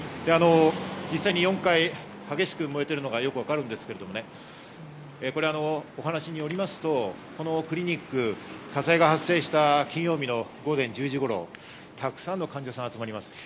実際に４階、激しく燃えているのがよくわかるんですけど、お話によりますとこのクリニック、火災が発生した金曜日の午前１０時頃、たくさんの患者さんが集まります。